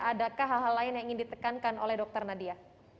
adakah hal hal lain yang ingin ditekankan oleh dr nadia